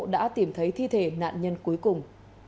đã tìm thấy thi thể nạn nhân cuối cùng